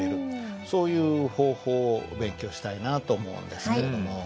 そういう方法をお勉強したいなと思うんですけれども。